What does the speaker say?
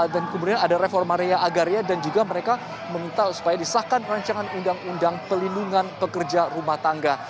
dan kemudian ada reform maria agaria dan juga mereka mengintal supaya disahkan rancangan undang undang pelindungan pekerja rumah tangga